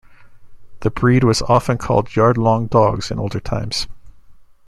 The breed was often called "yard-long dogs" in older times.